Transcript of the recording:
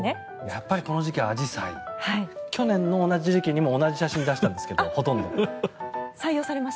やっぱりこの時期アジサイ去年の同じ時期にもほとんど同じ写真を出したんですけど。